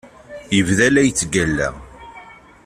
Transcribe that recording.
Yebda la yettgalla.